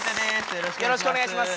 よろしくお願いします。